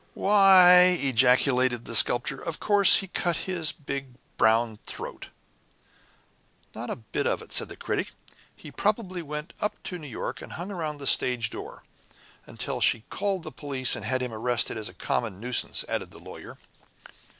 "Why," ejaculated the Sculptor, "of course he cut his big brown throat!" "Not a bit of it," said the Critic. "He probably went up to New York, and hung round the stage door." "Until she called in the police, and had him arrested as a common nuisance," added the Lawyer.